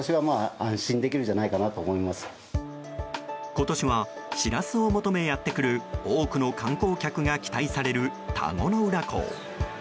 今年はシラスを求めやって来る多くの観光客が期待される田子の浦港。